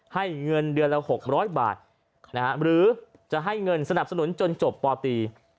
เงินเดือนละ๖๐๐บาทหรือจะให้เงินสนับสนุนจนจบปตี